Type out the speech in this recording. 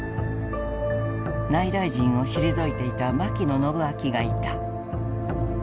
内大臣を退いていた牧野伸顕がいた。